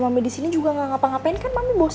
mami di sini juga gak ngapa ngapain kan mami bosen